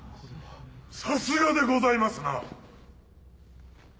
さすがでございますな！